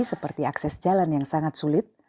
seperti akses jalan yang sangat sulit